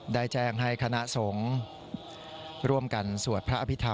ได้แจ้งให้คณะสงฆ์ร่วมกันสวดพระอภิษฐรร